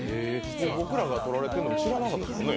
僕らが撮られてるの知らなかったですね。